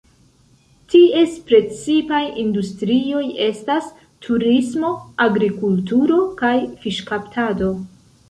Ties precipaj industrioj estas turismo, agrikulturo, kaj fiŝkaptado.